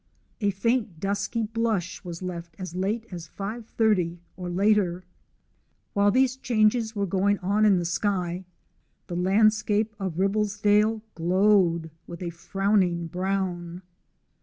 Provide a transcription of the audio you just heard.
A faint dusky blush was left as late as 5.30, or later. While these changes were going on in the sky, the landscape of Ribblesdale glowed with a frowning brown.